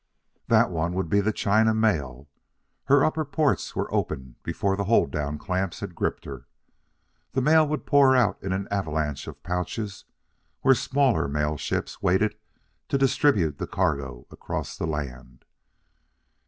That one would be the China Mail. Her under ports were open before the hold down clamps had gripped her; the mail would pour out in an avalanche of pouches where smaller mailships waited to distribute the cargo across the land.